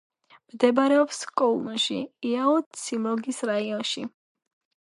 მდებარეობს კოულუნში, იაუ-ციმ-მონგის რაიონში.